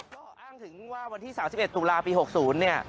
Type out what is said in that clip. ก็อ้างถึงว่าวันที่สามสิบเอ็ดตุลาคมปีหกศูนย์เนี่ย